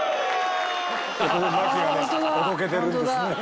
「ここで牧がねおどけてるんですね」